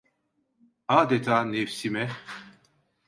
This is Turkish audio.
Adeta nefsime: